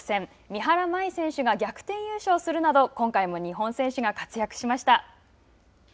三原舞依選手が逆転優勝するなど今回も日本選手が活躍しました。